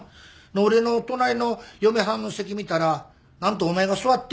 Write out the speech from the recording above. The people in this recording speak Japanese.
俺の隣の嫁はんの席見たら何とお前が座ってんねや。